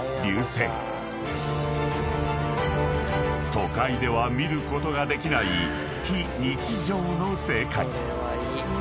［都会では見ることができない非日常の世界］